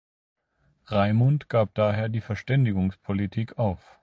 Raimund gab daher die Verständigungspolitik auf.